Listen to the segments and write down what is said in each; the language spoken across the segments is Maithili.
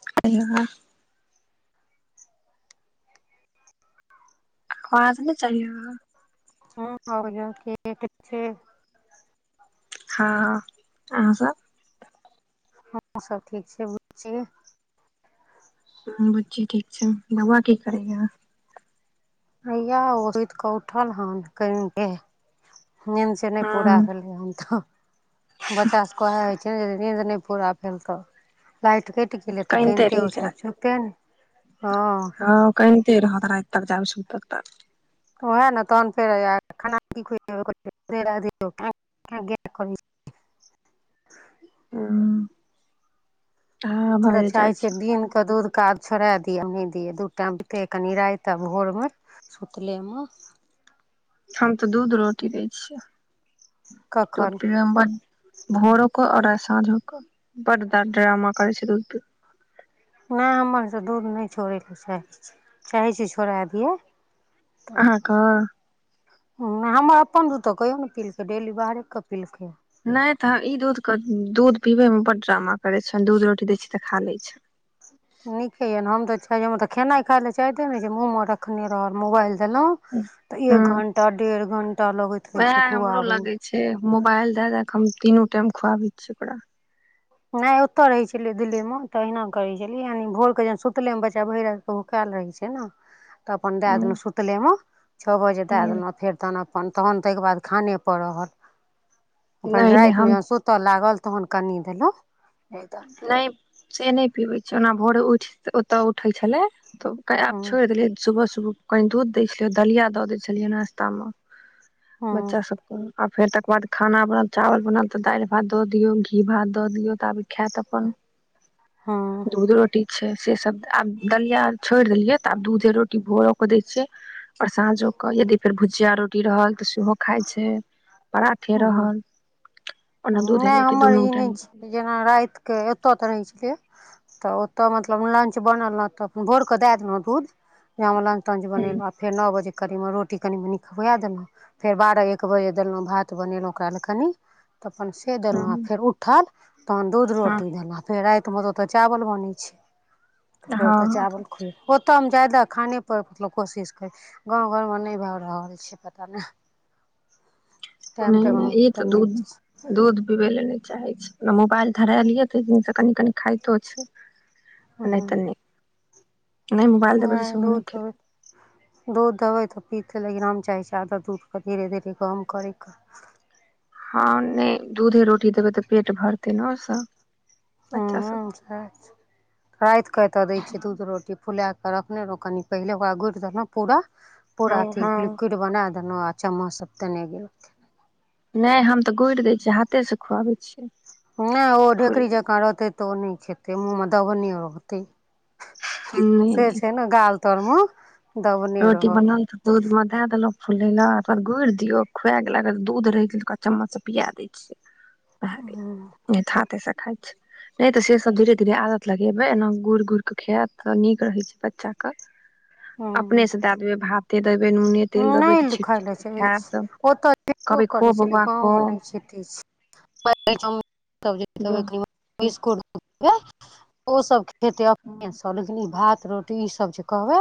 [unintelligible] काज नइ चली हँ [unintelligible] हँ अहाँ सब हमहु सब ठीक छी बुच्ची बुच्ची ठीक छै बौआ की करेया हैया ओ सुती कऽ उठल हन अखेने नींद के नहि पूरा हँ भेलियै हन तऽ बच्चा सब ओहा होइ छै नींद नहि पूरा भेल तऽ लाइट कटी गेलै तऽ कनिते रहि उठलै जायत चुपे हँ हँ कनिते रहत राति तक जाबैत सुतत ता ओह नऽ तन फेर खाना की [unintelligible] हू हम तऽ चाहै जाइ छीयइ छै दिनक दूध कऽ आब छोड़ा दिय नहि दिय दू टाम बिते कनि राइत आ भोर मे सुतले मे हम तऽ दूध रोटी दै छियै दूध कखन पीबमे बड भोरो क और साँझो क बड ड्रामा करे छै दूध पीब म ह हमर स दूध नइ छोड़ै छै चाहै छै चाहै छी छोड़ा दिअ अहाँके [inaudible] उम हमर अपन दूध तऽ कहियो नै पिलकै डेली बाहरे कऽ पिलकै नइ तऽ ई दूधक दूध पिबैमे बड ड्रामा करैत छइ दूध रोटी दै छियइ तऽ खा लैत छइ नीके यने हम छै हमर त खेनाइ खाय ले चाहते ने जे मुँह मे रखने रहल मोबाइल देलों तऽ हँ एक घंटा डेढ़ घंटा लगैत रहय उएह छै खु हमरो आबे मे लगै मोबाइल दा दा क हम तीनू टाइम खुआबै छियै ओकरा नइ ओतय रहै छलियै दिल्ली मे तऽहिना करै छलियै यानि भोर के ज सुतले मे बच्चा भेर रात क भुखाल रहै छै ने [inaudible] तऽ अपन दए देलहुँ हूँ सुतलेमे छ बजे हूँ देलहुँ फेर तहन अपन तहन तइके बाद खाने पर रहल अपन नहि नहि हम रातिमे सु त लागल तहन कनि देलो ह [inaudible] से नइ पीबै छै ओना भोरे उठ ओतऽ उठै छलै तो ओकर आब हँ छोड़ि देलियै सुबह सुबह कनी दूध दै छलियै दलिया द दै छलियै नाश्ता मे बच्चा हँ सबके आ फेर तकर बाद खाना बनत चावल बनत त दाइल भात द दियौ घी भात दऽ दियऔ तब खायत अपन हँ दूध रोटी छै से सब आब दलिया आर छोड़ि देलियै तऽ आब दूधे रोटी भोरो कऽ दैय छियै आर साँझो कऽ यदि फेर भुजिया रोटी रहल तऽ सेहो खाय छैय पराठे रहल ओना दूधे नइ रोटी हमर दुनू ई नइ टाइम छी जेना राति कऽ एतऽ तऽ रहै छियै तऽ ओतऽ मतलब लंच बनल रहत तऽ भोर कऽ देय देलहुँ दूध वैह मे लंच तंच हूँ बनेलु आ फेर नअ बजे करीब मे रोटी कनि मनि खुया देलहुँ फेर बारह एक बजे देलु भात बनेलु ओकरा ल कनि तखन से देलु हँ फेर उठल तहन दूध रोटी देलु फेर राइतमे तऽ ओतऽ चावल बनय छैय तऽ फेर ओतऽ हँ चावल खुएल ओतऽ मे ज्यदा खानेपर मे कोशिश करै गाँव घरमे नय भए रहल छैय पता नइ नइ नइ ई तऽ दूध दूध पिबैल नय चाहै छैय आ मोबाइल धरा लियै तै दिन स कनि कनि खाइतो छैय नइ त नइ ओंय दूधो दूध देबै तऽ पीतै लेकिन हम चाहय आदत दूध के धीरे धीरे कम करयके हँ नय दूध रोटी देबय तऽ पेट भरतै ने ओइ स हँ सेह छै राइत कऽ एतऽ दैय छियै दूध रोटी फुला के रखने रहो कनि पहिले ओकरा गुड़ि देलौं पूरा हँ पूरा अथी हँ लिक्विड क बना देलोह आ चमच स दने गेल नय हम तऽ गुड़ि दैय छियै हाथे से खुआबै छियै नय ओ फूल ढेकरी जेकाँ रहतै तऽ ओ नय खेतै मुूँहमे दबने रहतै नहि से नहि छैय ने गाल तर म रोटी बनल त दूध में दय देलौ फुलयले अपन गुड़ि दियौ खुआ गेल अगर दूध रहितै त ओकरा चम्मच से पिया दितियै एहठा तेसँ खाइत छै [unintelligible] नै तऽ से सब धीरे धीरे आदत लगेबै एना मे गुड़ि गुड़ि क खायत तऽ नीक रहय छैय बच्चा क अपने हूँ स दय देबै भात ते दैबय नूने तेल देबय त नहि छिट खाय छिट लए क चाहै खायत छै ओतऽ छेबो कहबय खो करै छलै बौआ खो गाँवमे नहि खेतै छै जे हूँ। बिस्कुट [unintelligible] ओ सब खेतै अपने सँ लेकिन ई भात रोटी ई सब जे कहबै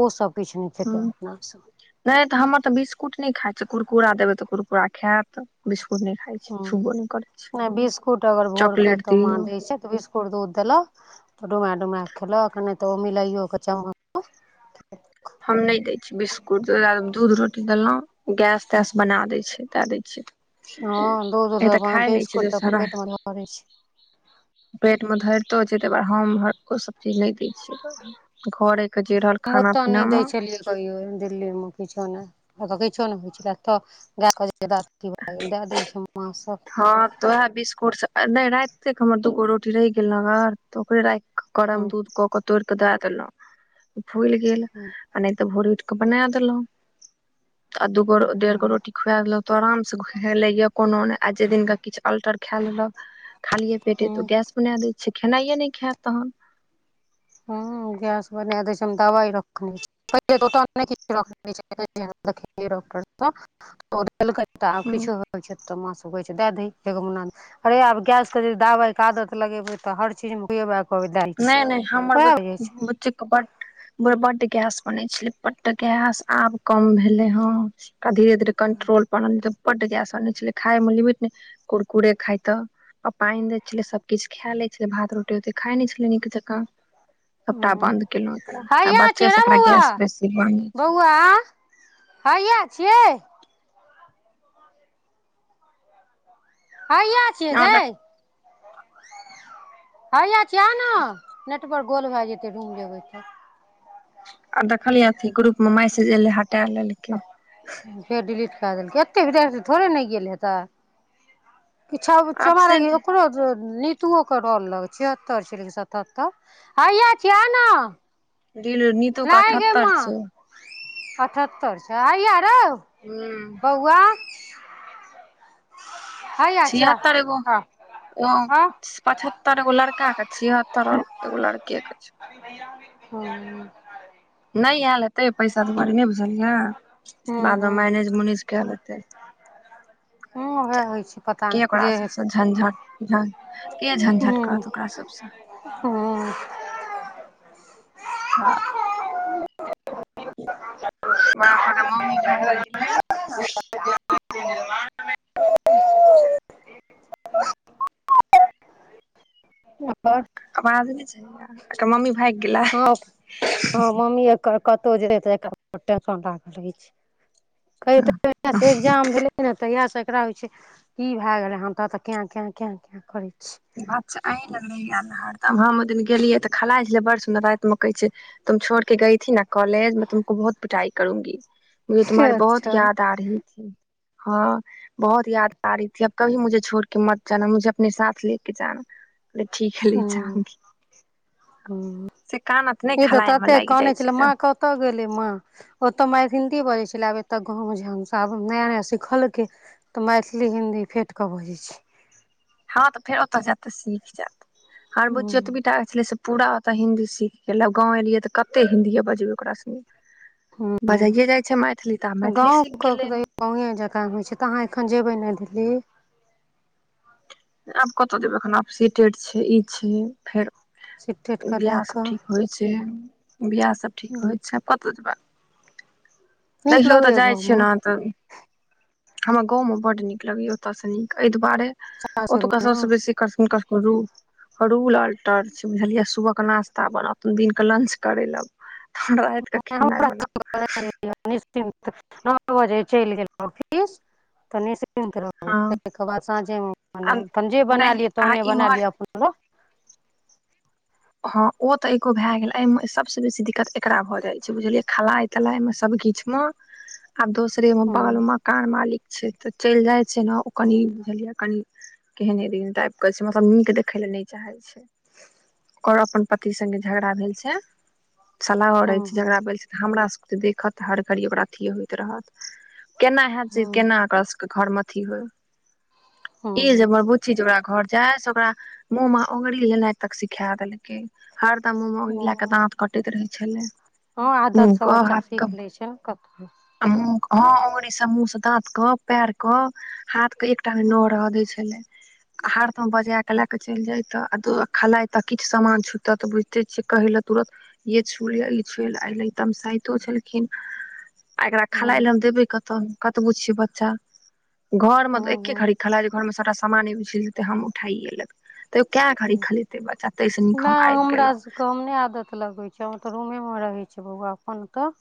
ओ सब किछु नै खेतै अपना स नै त हमर त बिस्कुट नै खाय छैय कुरकुरा देबय त कुरकुरा खायत बिस्कुट नै खाय छैय हँ नै बिस्कुट अगर भोरक चॉकलेट एतऽ माँ दियौ दैय छैय तऽ बीस उर दूध देलक तऽ डुमा डुमा क खेलक नै तऽ ओ मिलाइयो क चमच हम नै दैय छीयै बिस्कुट ओई दुआरे दूध रोटी देलौं गैस तैस बना दैय छैय दय दैय छै हँ दूध एक तऽ खाय नै छैय बिस्कुट तऽ दोसारा पेट मे धरै छै पेट मे धरितो छैय तके बाद हम [unintelligible] इ नै दैय छियै घरे के जे रहल हम खाना ओतऽ पीना नहि मे दै छलियै कहियो दिल्ली मे किछो नै ओतऽ किछो नै होय छलय एतऽ गैय ज्यादा की भय गेल दय दैय छै पाँच सौ [unintelligible] हँ तऽ ओहे बिस्कुट सब नै राति तैक हमर दूगो रोटी रहि गेल रहत ओकरे राखि कऽ करम हूँ दूध कऽ केऽ तोड़ि कऽ दैय देलौं फूलि गेल हूँ आ नै तऽ भोरे उठि कऽ बना देलौं आ दूगो डेढ़ गो हूँ रोटी खुआए गेलौं तऽ आरामसँ खेलैए कोनो नै आ जाय दिनाके किछु अल्टर खाए लेलक। खालिये पेटे हूँ तोऽ गैस बना दै छै खेनाइये नै खायत तहन। हूँ गैस बना देैय छैय हम दवाइ रखने छी पहिले दोकान नहि ठीक केलक [unintelligible] [unintelligible] आब किछो होय छैय तऽ माँ सब कहै छैय दय दही एगो मुना अरे आब गैस के दावइ के आदत लगेबै तऽ हर चीज मे खुब दाय छैय। [unintelligible] बुच्चीक। बढ़ गैस बनै छलै बढ़ गैस आब कम भेलै हं। धीर धीरे कंट्रोल [unintelligible] खाइ मे लिमिट। कुरकुरे खाय त पाननि दै छलै सब किछ खाय लै छलै भात रोटी खाइ नै छल। नीक जेका। सबटा हूँ बंद केलौं एकरा आ हैया बच्चे छियै रे स एकरा बौआ गैस बेसी बनै छै। बौआ हैया छियै। हैया छियै गै छलै हैया छियै आ न नेट बर गोल भए जेतै रूम जेबै तऽ। आ देखलियै अथी ग्रुप मे मैसेज एले हटा लेल फेर डिलीट कए देलकै एतेक देर थोड़े नै गेल हे तायऽ। किछ अब एबसेंट चमारे ओकरो नीत तु ओ के रोल लग छिहत्तर छलै कि सतहत्तर हया छियै आउन डिल नितु के अठत्तर छै अठहत्तर छै हैया रौ। हुँ बौआ। चाचा छिहत्तर एगो हाँ। ओ पचहत्तर गो लड़का के छिहत्तर एगो लड़के के छै। हाँ नै एल हेतै पैसा दुआरे नहि बुझलियै ए हूँ बाद मे हूँ मैनेज मुनि के लेते। हाँ हाँ। के ओकरा सबसँ झझट झ के झझट करत ओकरा सबसँ। ओ। हँ। बाप रे मम्मी भैग गेलै ककर। आवाज नै छेलैय एकर मम्मी भाइग गेलै कतौ जेेंन इजाम भेलै कहि तहिास से एकरा होइ छै की भए गेलै ह तत के के केऽ करै छै अच्छा अहीं लग महहिना तऽ हम ओहि दिन गेलियै तऽ खेलाइ छलै बड़ सुन्दर राइत मे कहै छै। तुम छोड़ के गई न कोलेज में तुमको बहुत पिटाई करूंगी। ये तुम्हे [unintelligible] बहुत अच्छा याद आरही हैं। हँ बहुत याद आरही अब कभी मुझे छोड़ के मत जाना मुझे अपने साथ ले। [unintelligible] ले करजान ठीक है ले जाउगी। [unintelligible] ह ई तऽ मे तते लागि कनै जाइ छै छलै माँ तऽ कतऽ गेलै माँ। ओतऽ मैर हिन्दी बजै छलै आब एतय गाँवमे झ हमस नया नया सिखलकै। तऽ मैथिली हिन्दी फेँट कऽ बजै छै हँ तऽ फेर ओतय जायत तऽ सीख जायत हमर हूँ बुच्ची ओतबीटा छलै। पूरा ओतय हिन्दी सीख गेलै आ गाँव एलियै तऽ कतेक हिन्दीए बजबै ओकरा से। हूँ बजाइए जाइ छै मैथिली तऽ आब मैथिली सीख गेलै। गाए जकाँ होइ छै तऽ अहाँ एखन जेबै न दिल्ली। आब कत जेबै एखन आब सीटेड छै ई छै फेर सिफ्टेड कऽ दए बियाह सब कऽ ठीक। होइ छै बिआह सब ठीक होइ छै कतऽ जेबै। नीक तहियो तऽ लगैया जाइ छियै गाँवमे ने तऽ। हमरा गाँव में बड नीक लगेया ओतय से नीक एहि दुआरे ओतुका सासुरमे सबसे बेसी। कसन कसन रुम रूल अल्टर छै बुझलिये सुबह के नाास्ता बनाथुन दिन के लंच करैल रायत के खेनाइ बनाऊ निश्चित नओ बजे चैल गेल ऑफिस तऽ नि सु रहू हँ ताहिके बाद साँझेमे आ बनाव तहन जे बना नहि लिय आ तहने बना इम्हर लियअ अपन ल हाँ ओ त एगो भए गेल एहिमे सबस बेसी दिक्कत एकरा भ जाय छै बुझलियै खेलई तलाई मे सब कीछ मे आब दोसर एमे बगल‌ मे हूँ मकान मालिक छै तऽ चैल जाइ छीयै न‌ओ कनि बुझलियै कनि केहने ए दिन टाइप के छै मतलब नीक देखै ल नै चाहे छै ओकर अपन पति संगे झगड़ा भेल छै सलाह ओह रहै हूँ छै हूँ झगड़रा भेल छै तऽ हमरा सभकेँ तऽ देखत हर घड़ी ओकरा अथिए होइत रहत केना हेत जे हूँ केना ओकरा सभके घरमे अथी होय ई जे हूँ हमर बुची जे ओकरा घर जाय से ओकरा मुँह मे ओंगरी हेनाइ तक सीख खे देलकै हरदम मुह मे ओंगरी लए क हूँ दाँत कटैत रहै छलै हँ आदत मुह सब क बच्चा हाथ सीख क [unintelligible] आ हँ ओंगरी से मु स दात क पेर क क हाथ के एकटा नय हूँ रह दय छलै आ हरदम बजा के लेके चैल जाय छेलै तऽ दऽ खेलाइ त किछ सामान छुतत तऽ बुझिते छियै कहै लए तुरत ये छुल य ई छुल एलाय तमाशाइयो छेलखिन आ एकरा खेलाय हूँ लए हम देबै कतह कतबो छीये बच्चा घर म हूँ त हूँ एके घड़ी हूँ खेला जे घरमे सभटा सामान उझैल देतैय हम उठाइए लेब तैयो कैए घाड़ी खेलेतै बच्चा तहिसँ नीक हम नहि आइब हमरा गेलौ सबके हम नै आदत खेल कीऽ होई छै ओत रूमे मे रहे छै बौआ अपन ओत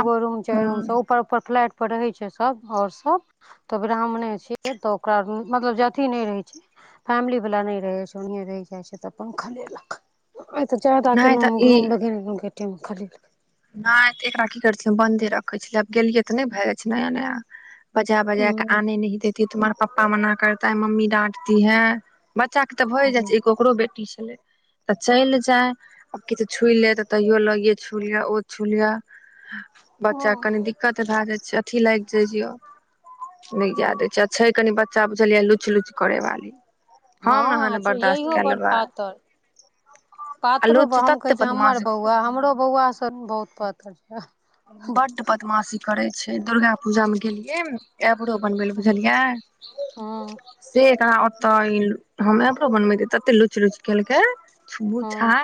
आब रूम यै ह रूम सब ऊपर ऊपर फ्लैट पर रहै छै सभ और सब त ब्राह्मणे छियै त ओकरा मतलब जे अथी नै रहे छय फैमिली वाला नै रहे छै उनियै रहि जाइ छै तऽ अपन खेलेलक ओइ केँ जादा नहि तऽ [unintelligible] [unintelligible] नै तऽ एकरा की करैछि बन्दे रखै छलियै आब गेलियै तऽ नै भए जाइ छै नया नया बजा बजा हूँ कऽ [unintelligible] बच्चा कऽ तऽ भए जाइ छै एगो ओकरो बेटी छेलै तऽ चैल जाय ओ किछ छुइले तऽ तैयो लऽ [unintelligible] [unintelligible] बच्चा कनि हूँ दिक्कत भए जाइ छै अथी लाइग जाय यै नै जा दै छै आ छै कनि बच्चा बुझलिय लुच लुच करे वाली हम अहाँ हाँ ने अंचु बर्दाश्त यैहो कए बड़ लेबै पातर आ पातरो ब लुच हम कहै तते छी हमर बदमाश बौआ हमरो बौआसँ बहुत पातर छ बड बदमाशी करै छै दुर्गा पूजामे गेलियै न एब्रो बनबै लऽ बुझलियै हँ [inaudible] से एकरा ओत हम एब्रो बनबेै तते लुच लुच केलकै छु छा हँ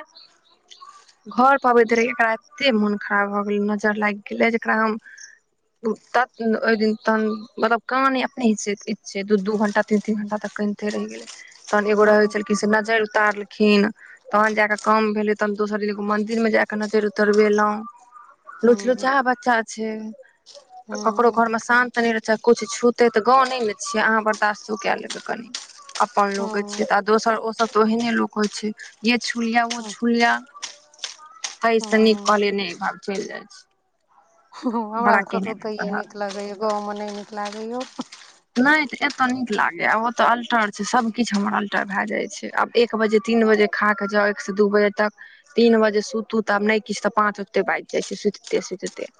[inaudible] घर पर अबैत देरी एकरा एते मोन खराब भऽ गेल न जे नज़र लाइग गेलय जेकरा हम तत ओइ दिन तहन मतलब कान अपने [unintelligible] दू दू घंटा तीन तीन घंटा तक कैनटे रहै गेलै तहन एगो रहै हँ छलखिन से नजरि उतारलखिन तहन जाय कऽ काम भेले तहन दोसर एगो मंदिर मे जय कऽ नजरि उतरबेलौं हँ लुचलुचा बच्चा छै [inaudible] ककरो हँ घर मे शान्त तनी अच्छा किछ छूते तऽ गाँव नै छियै अहाँ बर्दाश्तो कए लेबै कनि अपन लोगे हँ छै त आ दोसर ओसभ त ओहिने लोको छै ये छूलिया वो हँ छुलिया [inaudible] तय स नीक हँ कहले न भा चैल जाय छी हमरा बड़ा सभ केँ तऽ केने दिन ओतैहिए कहल नीक लगैए गाँव में र्ने नीक लागैए नै तऽ एतय नीक लागैय आब ओतय अल्टर छै सभकिछु हमर अल्टर भए जाइ छै आब एक बजे तीन बजे खाक जाउ एक से दू बजे तक तीन बजे सुतू तऽब नै किछु तऽ पाँच ओजते बाजि जाइ छै सुतिते सुतिते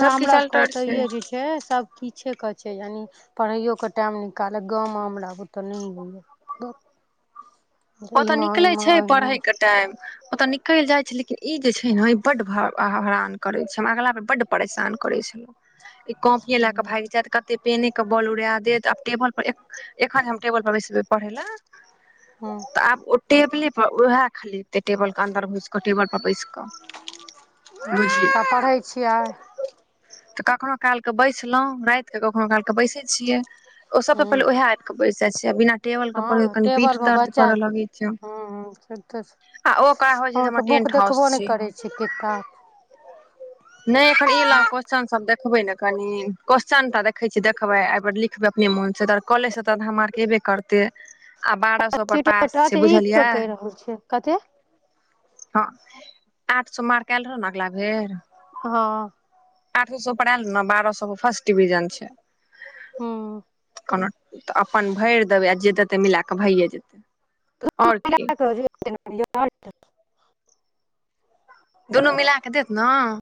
सब किछ अल्टर छै हे सब किछेके छै यानि पढ़ैयओ कऽ टाइम निकालै गाम हमरा बुते नहि होइए ओतय निकलै छै पढ़य उम्हर कऽ टाइम ओतय निकलि जाइत छै लेकिन ई जे छै ने ओ बड हरान करैत छै हमरा अगिल परर बड्ड परेशान करैत छल लोक [inaudible] ई कॉपी लै कऽ भैइग जैत कते पेने के बल उड़ा देत आब टेबल पर एखन हम टेबल पर बैसेबै पढ़ै लए हँ तऽ आब ओ टेबले पर उएह खाली ते टेबल केँ अन्दर घुस कऽ टेबर पर बैस कऽ [inaudible] बुझलियौ त पढ़ै छियै [inaudible] तऽ कखनो कालके बैसलहुँ राइतके कखनो काल क बैसै छियै ओ सबसँ हूँ पहिे उएह आबि कऽ बैस जाइ छै बिना टेबल के प कनि पीठ टेबल दर्द [inaudible] हँ तऽ करऽ लगै छै आ ओ ओकरा होइ छै जे हमर बुक टेंट हाउस देखबो नय छै करै छी [inaudible] [inaudible] नइ एखन इ वला क्वस्चन देखबै ने कनि क्वस्चनटा देखे छी देखबे ए बेर लि खबे अपने मोन छै तर कॉलेज से त आधा मार्क ऐबै करते हमरा आ बारह स प एकटा त ई क कहि रहल छियै कते हँ आठ सौ मार्क एल रहौ ने अगला बेर हँ आठ सौ पर आयल रहो ने बारह सौ पर फर्स्ट डिविजन छै हूँ कोनो अपन भेर देबै आ जे देते मिला कऽ भैए जेतै आओर की [inaudible] दुनू मिला कऽ देत न